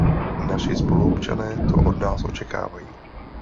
Naši spoluobčané to od nás očekávají.